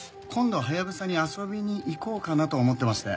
ハヤブサに遊びに行こうかなと思ってまして。